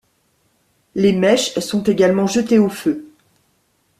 Les mèches sont également jetées au feu.